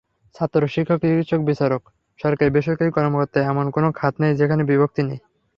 ছাত্র, শিক্ষক, চিকিৎসক, বিচারক, সরকারি-বেসরকারি কর্মকর্তা—এমন কোনো খাত নেই যেখানে বিভক্তি নেই।